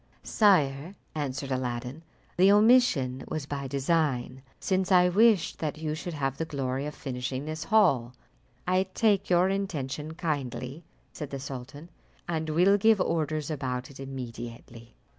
"Sire," answered Aladdin, "the omission was by design, since I wished that you should have the glory of finishing this hall." "I take your intention kindly," said the sultan, "and will give orders about it immediately."